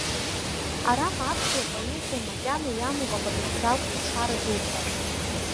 Араҟа аԥсуа поезиа макьана иамоуп апотенциалтә лшара дуқәа.